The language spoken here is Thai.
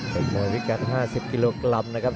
เป็นมวยพิกัด๕๐กิโลกรัมนะครับ